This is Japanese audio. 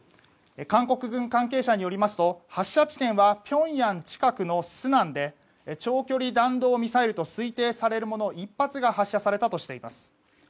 韓国軍関係者によりますと発射地点はピョンヤン近くのスナンで長距離弾道ミサイルと推定されるもの１発が発射されたとしています。